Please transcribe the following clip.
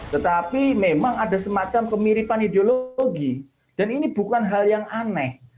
tetapi memang ada semacam kemiripan ideologi dan ini bukan hal yang aneh